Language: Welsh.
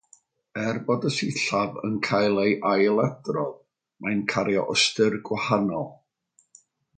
Er bod y sillaf yn cael ei ailadrodd, mae'n cario ystyr gwahanol.